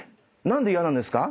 何で嫌なんですか？